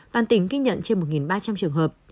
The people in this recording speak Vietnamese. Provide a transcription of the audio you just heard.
toàn tỉnh ghi nhận trên một ba trăm linh trường hợp